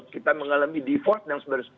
kita mengalami defort yang sebenarnya